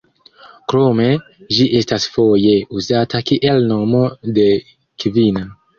Krome ĝi estas foje uzata kiel nomo de kvina.